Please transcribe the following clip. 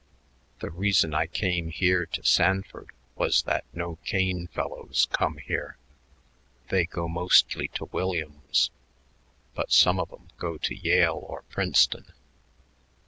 The reason I came here to Sanford was that no Kane fellows come here. They go mostly to Williams, but some of 'em go to Yale or Princeton.